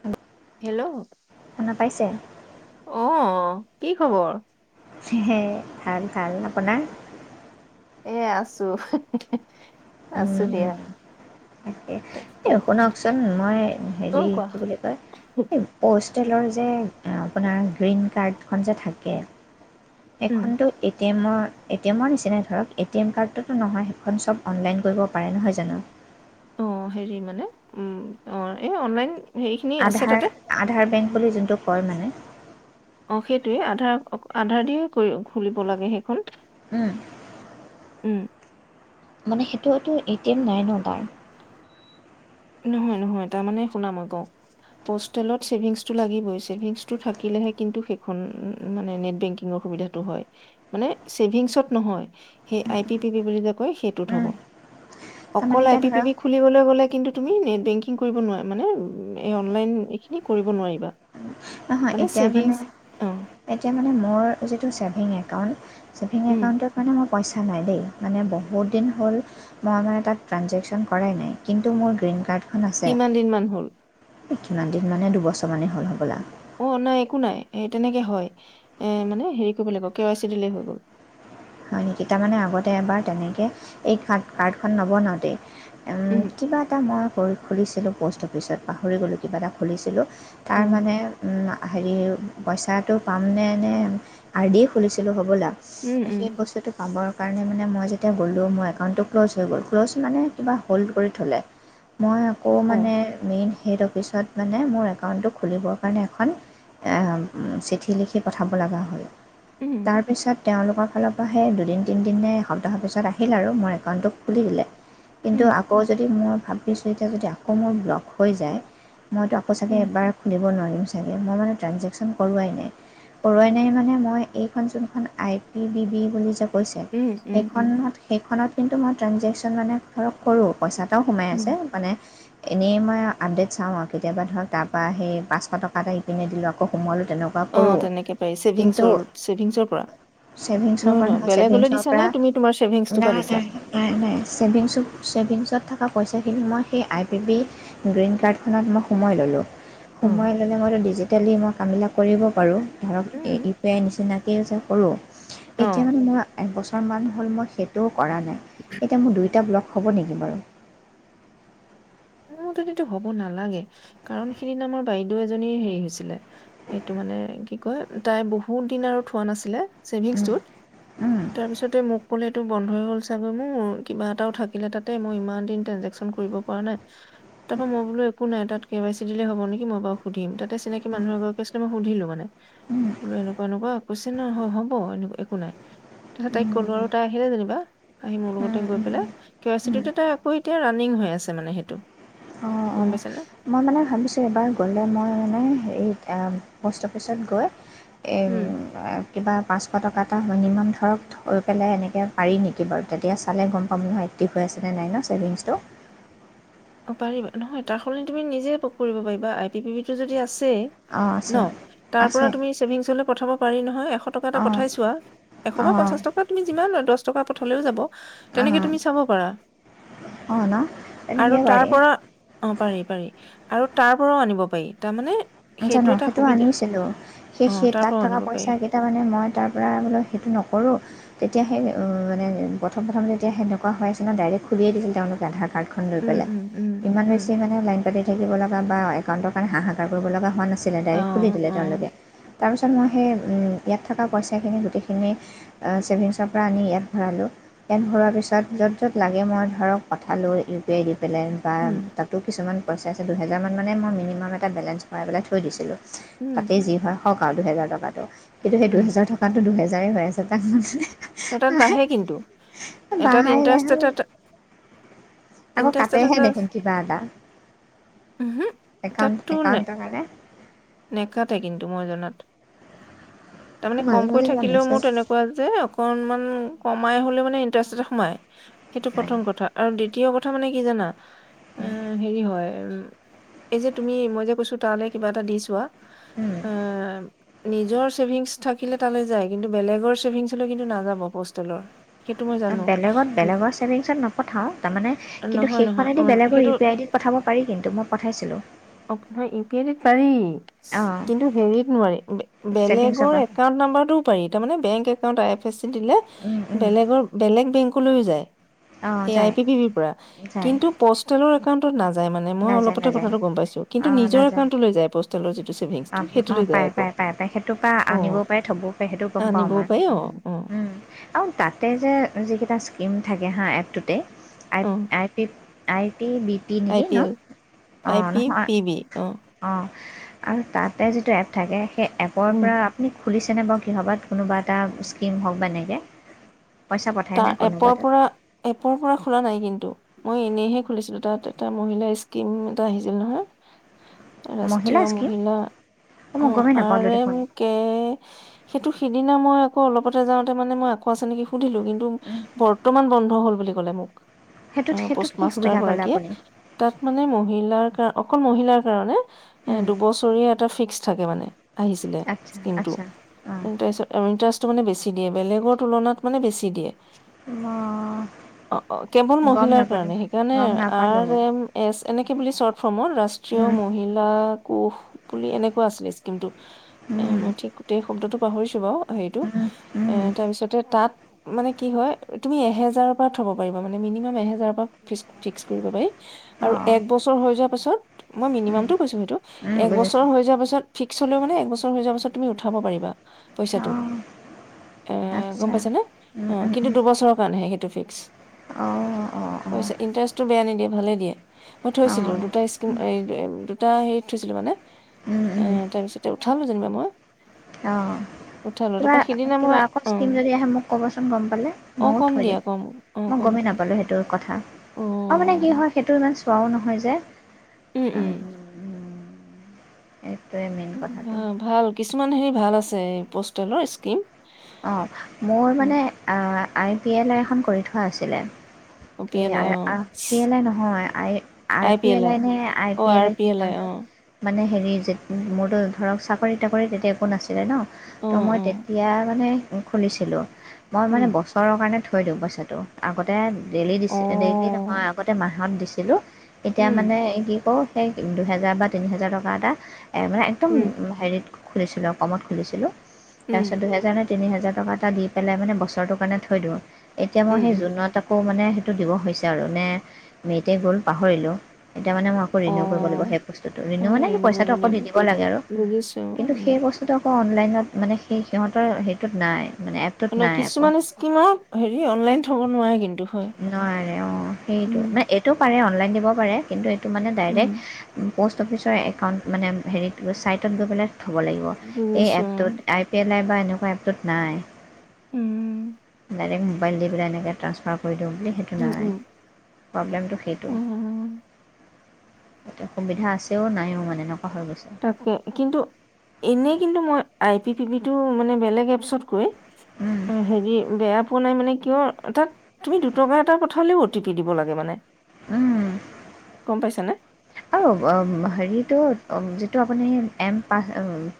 হয় হেল্ল! অঁ- কি খবৰ? সে ভাল, ভাল। আপোনাৰ? এ আছো। হেঁ--হেঁ--হেঁহ, আছো দিয়া। উম, তাকে তাকে। এ--শুনকচোন। মই হেৰি অ' কোৱা কি বুলি কয়? এই প'ষ্টেলৰ যে আপোনাৰ গ্ৰীণ কাৰ্ডখন যে থাকে উম এখনটো এ টি এমৰ, এ টি এমৰ নিচিনাই ধৰক। এ টি এম কাৰ্ডতোটো নহয়। সেইখন চব অনলাইন কৰিব পাৰে নহয় জানো? অঁ হেৰি মানে, উম অ এই অনলাইন। হেৰিখিনি আছে তাতে। আধাৰ, আধাৰ বেংক বুলি যোনটো কয় মানে। অ সেইটোৱে। আধাৰ, আধাৰ দিয়ে কৰি খুলিব লাগে সেইখন। এ। উম। মানে সেইটো হয়টো এ টি এম নাই ন' তাৰ। নহয়, নহয় তাৰমানে শুনা। মই কওঁ। পষ্টেলত ছেভিংছটো লাগিবই। ছেভিংছটো থাকিলেহে কিন্তু সেইখন মানে নেট বেংকিঙৰ সুবিধা টো হয়। মানে ছেভিংছত নহয়। সেই আই পি পি বি বুলি যে কয় সেইটোত হ'ব। উম, তাৰমানে অকল আই এতিয়া পি পি ধৰক বি খুলিবলৈ গ'লে কিন্তু---া তুমি নেট বেংকিং কৰিব নোৱাৰা। মানে অনলাইন, এইখিনি কৰিব নোৱাৰিবা। নহয়, এতিয়া মানে ছেভিংছ অঁ এতিয়া মানে মই যিটো ছেভিং একাউণ্ট ছেভিং উম, একাউণ্টৰ কাৰণে মোৰ পইচা নাই দেই। মানে বহুত দিন হ'ল, মই মানে তাত ট্ৰাঞ্জেকশ্যন কৰাই নাই। কিন্তু মোৰ গ্ৰীণ কাৰ্ড কিমান দিন মান হ'ল? কিমান দিন মানে? দুবছৰমানেই হ'ল হ'বলা। অ নাই, একো নাই। সেই তেনেকে হয়। এ-মানে হেৰি কৰিব লাগিব। কে ৱাই চি দিলে হৈ গ'ল। সেই কেইটামানে আগতে এবাৰ তেনেকে এই কাৰ্ড, কাৰ্ডখন নবনাওঁতে উম। কিবা এটা মই কৰি খুলিছিলোঁ প'ষ্ট অফিচত পাহৰি গ'লোঁ কিবা এটা খুলিছিলোঁ। তাৰ অঁ মানে উম আ হেৰি পইচাটো পামনে নে আৰ দিয়ে খুলিছিলোঁ হ'বলা। উম উম সেই বস্তুটোক পাবৰ কাৰণে মানে মই যেতিয়া গ'লোঁ। মোৰ একাউণ্টটো ক্ল'জ হৈ গ'ল ক্ল'জ মানে কিবা হ'ল্ড কৰি থ'লে। মই আকৌ অঁ মানে, মেইন হেড অফিচত মানে মোৰ একাউণ্টটোক খুলিবৰ কাৰণে এখন এ চিঠি লিখি পঠাব লগা হ'ল। উম তাৰ পিছত তেওঁলোকৰ ফালৰ পৰা সেই দু দিন তিনিদিনে হল, তাৰ পাছত আহিল আৰু মোৰ একাউণ্টটো খুলি দিলে, কিন্তু উম আকৌ যদি মোৰ ভাগ ছো যেতিয়া যদি আকৌ মোৰ ব্লক হৈ যায় মইতো আকৌ চাগে উম এবাৰ দিব নোৱাৰিম চাগে, মই মানে ট্ৰাঞ্জেকশ্যন কৰোৱাই নাই। কৰোৱাই নাই মানে মই এইখন যোনখন আই পি বি বি বুলি য উম উম উম সেইখনত সেইখনত কিন্তু মই ট্ৰেঞজেকশ্যন মানে ধৰক কৰোঁ, পইচা এটাও সোমাই উম আছে মানে এনেই মই আপডেট চাওঁ আৰু কেতিয়াবা ধৰক তাৰপৰা সেই পাঁচশ টকা এটা ইপিনে দিলোঁ আকৌ সোমাৱালোঁ। তেনে ৱা অঁ কৰোঁ, তেনেকে পাৰি কিন্তু ছেভিংছৰ ছেভিংছৰ পৰা ছেভিংছৰ নহয় কাৰণে নহয় বেলেগলৈ ছেভিংছৰ দিছা নে পৰা তুমি তোমাৰ ছেভিংছটোৰ পৰা নাই দিছা নাই। নাই নাই ছেভিংছত ছেভিংছত থকা পইচাখিনি মই সেই আই পি বি গ্ৰীণ কাৰ্ডখনত মই সোমাই ল'লোঁ। উম সোমোৱাই ললে, মই ত ডিজিটেলি মই কামবিলাক কৰিব পাৰোঁ। ধৰক উম ইউ পি আই নিচিনাকৈ যে কৰোঁ অঁ এতিয়া মানে মই একবছৰমান হ'ল মই সেই টো কৰা নাই এতিয়া মোৰ দুইটা ব্লক হ'ব নেকি বাৰু? মোৰ মতেটো হ'ব নালাগে, কাৰণ সিদিনা আমাৰ বাইদেউ এজনীৰ হেৰি হৈছিলে। সেইটো মানে কি কয় তাই বহুত দিন আৰু থোৱা নাছিলে। ছেভিংছটোত, তাৰপিছতে মোক ক'লে বন্ধ হৈ গ'ল চাগৈ মোৰ কিবা এটাও থাকিলে তাতে মই ইমান দিন ট্ৰেঞ্জেকশচন কৰিব পৰা নাই। তাৰ পৰা মই বোলো একো নাই তাত কে ৱাই চি দিলে হ'ব নেকি মই বাৰু সুধিম তাতে চিনাকি মানুহ এগৰাকী আছিলে। সুধিলো মানে বোলো এনেকুৱা এনেকুৱা কৈছে ন হ'ব এনেকুৱা একো নাই। তা পাছত তাইক কলো আৰু তাই আহিলে যেনিবা আহি মোৰ লগতে গৈ পেলাই কে ৱাইচি তাই আকৌ এতিয়া [unintelligible] নিং হৈ আছে মানে সেইটো। অঁ গম অঁ পাইছানে মই মানে ভাবিছোঁ এবাৰ গ'লে মই মানে হেৰি অঁ প'ষ্ট অফিচত গৈ এ উম কিবা পাঁচশ টকা এটা মিনিমাম ধৰক কৈ পেলাই এনেকে পাৰি নেকি বাৰু তেতিয়া চালে গম পাম নহয় এক্টিভ হৈ আছে নে নাই ন ছেভিংছটো। অঁ পাৰিবা নহয় তাৰ সলনি তুমি নিজে পক কৰিব পাৰিবা আই টি পি বি যদি আছেই অঁ আছে ন তাৰ আছে পৰা তুমি ছেভিংছলে পঠাব পাৰি নহয় এশ টকা এটা অঁ পঠাইছোৱা। এশ বা অঁ পঞ্চাশ টকা তুমি যিমান দশ টকা পঠালেও যাব তেনেকে তুমি চাব পাৰা। অ না আৰু তাৰ পৰা অঁ পাৰি পাৰি আৰু তাৰ পৰাও আনিব পাৰি তাৰমানে জানো এটা সেইটো সুবিধা আনিছিলোঁ, সেই অ সেই তাৰ তাত পৰাও থকা আনিব পাৰি পইচা তাৰমানে মই তাৰ পৰা বোলো সেইটো নকৰোঁ। তেতিয়া সেই মানে প্ৰথম প্ৰথম যেতিয়া সেনেকুৱা হৈ আছে ন ডাইৰেক্ট খুলিয়েই দিছিল তেওঁলোকে আধাৰ কাৰ্ড খন লৈ উম পেলাই, উম উম ইমান উম বেছি মানে লাইন পাতি থাকিব লগা বা একাউণ্টৰ কাৰণে হাহাকাৰ কৰিব লগা হোৱা না ছিলে অ ডাইৰেক্ট খুলি দিলে অ তেওঁলোকে, তাৰপিছত মই সেই ইয়াত থকা পইচাখিনি গোটেইখিনি অঁ ছেভিংছৰ পৰা আনি ইয়াত ভৰালোঁ। ইয়াত ভৰোৱা হোৱাৰ পিছত য'ত য'ত লাগে মই ধৰক পঠালোঁ ইউ পি আই দি পেলাই। বা উম তাতো কিছুমান পইচা আছে দুহেজাৰমান মানে মই মিনিমাম এটা বেলেঞ্চ ভৰাই পেলাই থৈ দিছিলোঁ। উম তাতেই যি হয় হওক আৰু দুহেজাৰ টকাটো কিন্তু সেই উম দুহেজাৰ ট তা তো দুহেজাৰেই হৈ আছে তাক এটাত বাঢ়ে কিন্তু এটাত ইণ্টাৰেষ্ট মানে এটা [unintelligible] আকৌ ইণ্টাৰেষ্ট কাটেহে এটা দেখোন কিবা এটা। উমহু একাউণ্ট তাতো নাই। একাউণ্টৰ কাৰণে নেকাতে কিন্তু মই জনাত তাৰমানে মাজে কমকৈ মাজে কিবা থাকিলেও মেছেজ মোৰ তেনে কুৱা যে অকনমান কমাই হ'লে মানে ইণ্টাৰেষ্ট এটা সোমায় সেইটো প্ৰথম কথা আৰু দ্বিতীয় কথা মানে কি জানা আহ হেৰি হয় উ এই যে তুমি মই যে কৈছো তালে কিবা এটা দি চোৱা এ নিজৰ চছেভিংছ থাকিলে তালৈ যায় কিন্তু বেলেগৰ চেভিংছলৈ কিন্তু নাযাব পোষ্টেলৰ বেলেগত বেলেগৰ চেভিংছত নপঠাও তাৰ মানে কিন্তু নহয় সেই খন নহয় অ আইদি বেলেগৰ সেইটো ইউ পি আই দিত পঠাব পাৰি কিন্তু মই পঠাইছিলো আপোনাৰ ই পি আইদিত পাৰি অঁ কিন্তু হেৰিত নোৱাৰি বে ছেভিংছৰ বেলেগৰ পৰা একাউন্ট নাম্বাৰটোও পাৰি তাৰ মানে বেংক একাউণ্ট প্ৰেচিটিলে উম উম বেলেগ বেলেগ বেংকলৈৱো অঁ এয়া আই যায় পি বি বি পৰা যায় কিন্তু প'ষ্টেলৰ একাউণ্টত নাযায় মানে মই নাযায় অলপতে নাযায় কথাটো গম পাইছো কিন্তু নিজৰ একাউণ্টলৈ যায় পষ্ট অ পাই পাই পাই সেইটোপা অ আনিবও পাৰে থ'বও পাৰে সেইটো গম পাওঁ আনিবও মই পাৰি অ অ উম আও তাতে যে যিকেইটা স্কিম থাকে হাঁ এপটোতে আই অ আই পিপ, আই পি বি আই নেকি পি ন L I P B B অ অ আৰু তাতে যিটো এপ থাকে সেই এপৰ উম পৰা আপুনি খুলিছেনে বাও কিহবাত কোনোবা এটা স্কীম হওক বা এনেকে পইচা তাৰ পঠায়নে এপৰ কোনোবা পৰা তাত এপৰ পৰা খোলা নাই কিন্তু মই এনেইহে খুলিছিলো তাত এটা মহিলা স্কিম এটা আহিছিল নহয় [inaudible] ৰাষ্ট্ৰীয় স্কীম মহিলা অঁ মই অ গমেই নাপালোঁ আৰে দেখোন মোক কে সেইটো সিদিনা মই আকৌ অলপতে যাওঁতে মানে মই আকৌ আছে নেকি সুধিলো কিন্ তো বৰ্তমান বন্ধ হল বুলি ক'লে মোক সেইটোত পোচ সেইটোত কি মাষ্টাৰ সুবিধা পালে গৰাকীয়ে আপুনি তাত মানে মহিলাৰ কাৰ অকল মহিলাৰ কাৰণে এ দুবছৰীয়া এটা ফিক্স থাকে মানে আহিছিলে আচ্ছা স্কিম টো আচ্ছা অঁ তাৰপিছত আৰু ইণ্টাৰেষ্টটো মানে বেছি দিয়ে বেলেগৰ তুলনাত মানে বেছি দিয়ে মই অ কেৱল গম মহিলাৰ নাপালোঁ কাৰণে সেইকাৰণে গম নাপালোঁ মই আৰেম এছ এনেকে বুলি চৰ্ট ফৰ্মত ৰাষ্ট্ৰীয় মহিলা কোষ বুলি এনেকুৱা আছিলে স্কিমটো এ মই ঠিক গোটেই শব্দটো পাহৰিছো বাও হেৰিটো এ তাৰপিছতে তাত মানে কি হয় তুমি এহেজাৰৰ পৰা থব পাৰিব মানে মিনিমাম এহেজাৰৰ পৰা ফিছ ফিক্স কৰিব পাৰি অঁ আৰু এক বছৰ হৈ যোৱা পাছত মই মিনিমামটো কৈছো সেইটো এক বছৰ বুজিছোঁ হৈ যোৱা পাছত ফিক্স হ'লেও মানে একবছৰ হৈ যোৱাৰ পাছত তুমি উঠাব পাৰিবা পইচাটো অঁ এ গম আচ্ছা পাইছা নে অ কিন্তু দুবছৰৰ কাৰণেহে সেইটো ফিক্স অঁ অঁ অঁ পইচা ইণ্টাৰেষ্টটো বেয়া নিদিয়ে ভালে দিয়ে মই অঁ থৈছিলো দুটা স্কিম দুটা হেৰিত থৈছিলো মানে অঁ এ তাৰপিছতে উঠালোঁ যেনিবা মই অ উঠালো কিবা তাৰপৰা সিদিনা মই কিবা আকৌ স্কিম অ যদি আহে মোক ক'বচোন গম পালে অ ময়ো কম থৈ দিয়া দিম কম অ মই কম গমেই কম নাপালোঁ হেত তু কথা অ আও মানে কি হয় সেইটো ইমান চোৱাও নহয় যে উম উম এইটোৱে মে ভা ভাল কিছুমান হেৰি ভাল আছে এই পষ্টেলৰ স্কিম অ মোৰ মানে আ আই পি এল এ এখন কৰি থোৱা আছিলে অ পি এই এল আই অ আৰ পি এল আই নহয় আৰ পি এল আই নে আৰ পি এল আই কি নামটো মানে হেৰি যে মোৰতো ধৰক চাকৰি তাকৰি তেতিয়া একো নাছিলে ন অ ত' মই অ তেতিয়া মানে খুলিছিলো মই মানে উম ব বচৰৰ কাৰণে থৈ দিও পইচাটো আগতে ডেইলি দি অ ডেইলি নহয় আগতে মাহত দিছিলো এতিয়া উম মানে কি কৰো সেই দুহেজাৰ বা তিনি হেজাৰ টকা এটা এ মানে একদম উম হেৰিত খুলিছিলো আৰু কমত খুলিছিলো উম তাৰপিছত দুহেজাৰে তিনি হোজাৰ টকা এটা দি পেলাই মানে বছৰটোৰ কাৰণে থৈ দিও এতিয়া মই উম সেই উম জোনত আকৌ মানে সেইটো দিব হৈছে আৰু নে মেইতে গ'ল পাহৰিলো এতিয়া মানে মই আকৌ অ ৰিনিউ কৰিব লাগিবহে বস্তুটো অ ৰিনিউ মানে কৰিব পইচাটো আকৌ লাগিব দি দিব লাগে আৰু বুজিছো কিন্তু উম সেই বস্তু সেইটো আকৌ অনলাইনত মানে সেই সিহঁতৰ সেইটোত নাই মানে এপটোত মানে নাই আকৌ কিছুমান স্কিমত হেৰি অনলাইন থব নোৱাৰে কিন্তু হয় নোৱাৰে অ সেইটো উম মানে এইটো পাৰে অনলাইন দিব পাৰে কিন্তু এইটো মানে উম ডাইৰেক্ট প'ষ্ট অফিচৰ একাউণ্ট মানে হেৰিত ছাইটত গৈ পেলাই থ'ব লাগিব এই বুজিছো এপটোত এপ পেলাই বা এনেকোৱা এপটোত নাই উম ডাইৰেক্ট মোবাইল দি পেলাই এনেকে ট্ৰাঞ্চফাৰ কৰি দিও বুলি সেইটো উম নাই উম প্ৰব্লেমটো সেইটো উম এতে সুবিধা আছেও নায়ো মানে এনেকোৱা হৈ গৈছে তাকে কিন্তু এনেই কিন্তু মই আই পি পিটো মানে বেলেগ এপছতকৈ অ হেৰি বেয়া পোৱা নাই মানে কিয় তাত তুমি দুটকা এটা পথালেও অ টি পি দিব লাগে মানে উম গম পাইছানে আৰু হেৰিটো যিটো আপুনি এম পা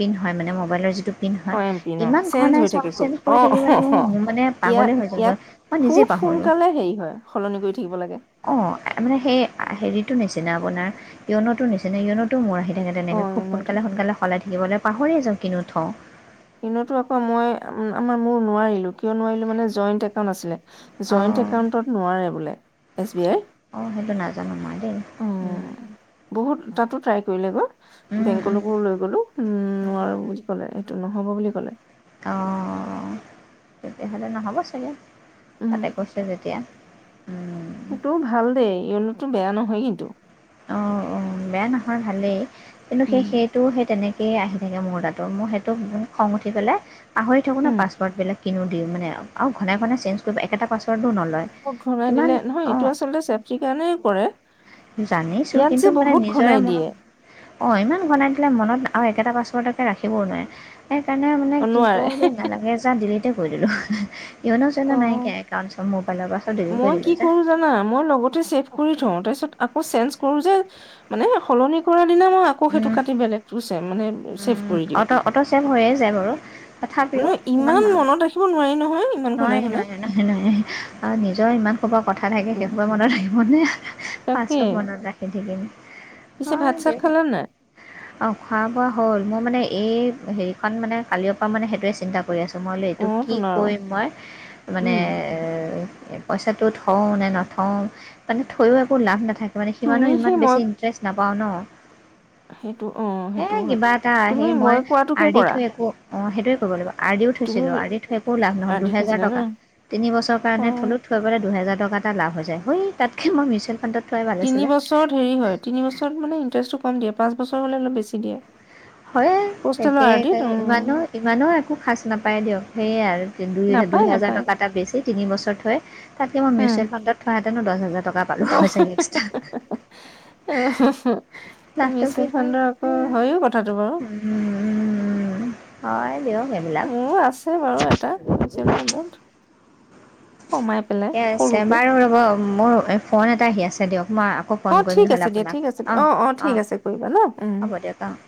পিন হয় মানে মোবাইলৰ যিটো অ' এম পিন নহয় অ' ইমান চেঞ্জ হৈ ঘনাই থাকে চব খুব চেট কৰি অ' থাকিব লাগে অ' মানে মানে ইয়াত পাগলে হৈ ইয়াত যাবগৈ খুব সোনকালে হেৰি হয় সলনি কৰি থাকিব লাগে অ মানে সেই হেৰিটো নিচিনা আপোনাৰ য়নতো নিচিনা য়নত তো মোৰ আহি থাকে অ' তেনেকে খুব ইউন'টো সোনকালে সোনকালে সলাই থাকিবলৈ পাহৰি যাও কিনো থও ইনেতো আকৌ মই আমাৰ মোৰ নোৱাৰিলো কিয় নোৱাৰিলো মানে জইণ্ট একাউণ্ট আছিলে জইণ্ট অঁ একাউণ্টত নোৱাৰে বোলে এছ বি আই অ সেইটো নাজানো মই দেই বহুত তাতো ট্ৰাই কৰিলেগৈ উম, উম, উম। বেংকলৈকো লৈ গ'লো উম নোৱাৰো বুলি ক'লে এইটো নহ'ব বুলি ক'লে অ তেতিয়াহ'লে নহ'ব চাগে উম তাতে কৈছো যেতিয়া উম, সেইটো ভাল দেই ইলতো বেয়া নহয় কিন্তু অ অ বেয়া নহয় ভালেই কিন্তু সেই উম সেইটো সেই তেনে এই আহি থাকে মোৰ তাতো মোৰ সেইটো খং উঠি পেলাই পাহৰি থাকো ন উম পাছপৰ্টবিলাক কিনো দিম মানে আৰু ঘনে ঘনে চেঞ্জ কৰিব একটা পাছৱৰ্ডো নল বত ঘনাই দিলে নহয় এইটো আচলতে চেফটিৰ কাৰণে কৰে জানিছো ইয়াত যে কিন্তু মানে বহুত ঘনাই নিজৰে দিয়ে মনত অ ইমান বনাই দিলে মনত আৰু একেটা পাছৱৰ্ডকে ৰাখিবও নোৱাৰে সেইকাৰণে মানে অ কি নোৱাৰে কৰিলো নালাগে যা ডিলিটে কৰি দিলো য়োনো চিওনো অ', নাইকিয়া একাউণ্টছৰ মোবাইলৰ পাছৱৰ্ড ডিলিট মই কৰি কি দিলো যা কৰো জানা মই লগতে চে কৰি থও তাৰপিছত আকৌ চেনজ কৰো যে মানে সলনি কৰা দিনা মই আকৌ সেইটো কাটি বেলেগটো ছে মানে চেফ অট অট ছেভ হৈয়ে যায় বাৰু তথাপিও মই ইমান মনত ৰাখিব নোৱাৰি নহয় ইমান ঘনাই নোৱাৰে নোৱাৰে ঘনাই নয় নোৱাৰে আৰু নিজৰ ইমান সোপা কথা থাকে সেই সোপা মনত ৰাখিব নে তাকে পাঁচশ মনত ৰাখে ঠিকে পিছে ভাত হয় চাত দিয়া খালা নাই অ খোৱা বোৱা হ'ল, মোৰ মানে এই হেৰিখন মানে কালি অ পা সেইটোৱে চিন্তা কৰি আছোঁ মই, এইবোলো অ এইটো কি তোন আৰু কৰিম মই মানে! উম এ, পইচাটো থওঁ নে নথওঁ, মানে থৈও একো লাভ নাথাকে। মানে তুমি সিমানো সেই ইমান মই বেছি ইণ্টাৰেষ্ট নাপাওঁ ন। সেইটো অ হে সেইটো হয় কিবা এটা আহে তুমি মই কোৱাটোকে আৰদি কৰা থৈ একো! অ সেইটোৱে কৰিব লাগিব। আৰডিও তুমি থৈছিলো আৰ দি থৈ একো লাভ নহ'ল আদি দুহেজাৰ থৈছিলা ন টকা তিনি বছৰ অ কাৰণে থ'লোঁ! থৈ পেলাই দুহোৰ টকা এটা লাভ হৈছে। হই তাতকৈ মই মিচুৱেল ফাণ্ডত! থোৱাই ভাল তিনি আছিলে বছৰত হেৰি হয়, তিনি বছৰত মানে ইণ্টাৰেষ্টটো কম দিয়ে। পাঁচ বছৰ হ'লে অলপ বেছি দিয়ে। হয়য়ে, পষ্টেলৰ তাকে আৰ্ডিত উম ইমানো ইমানো একো সাজ নাপায় দিয়ক সেয়ে আৰু! দুই দুই নাপায় হাজাৰ নাপায় টকা এটা বেছি, তিন বছৰ থৈ তাতকে মই মিউচুৱেল ফাণ্ডত থোৱাহেতেনো দহ হাজাৰ টকা এটা অঁ [unintelligible] নাস্তৱ বিহাৰ ধ [inaudible] কথাটো বাৰু [unintelligible] হয় দিয়ক এইবিলাক মোৰো আছে বাৰু এটা মিউচুৱেল ফাণ্ডত এটা কমাই পেলাই ঠিকে আছে সৰুকে বাৰু ৰ'ব মোৰ ফোন এটা আহি আছে দিয়ক মই আকৌ ফোন অ', কৰিম ঠিক আছে নহ'লে দিয়া, ঠিক আপোনাক আছে দিয়া। অঁ অ', অ', ঠিক অঁ আছে কৰিবা ন? উম। হ'ব দিয়ক অঁ